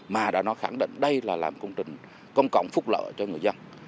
mà đã nói khẳng định đây là làm công trình công cộng phúc lợi cho người dân